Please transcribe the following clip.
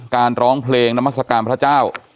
การร้องเพลงนมัสกรรมพระเจ้า